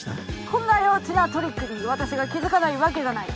こんな幼稚なトリックに私が気づかないわけがない。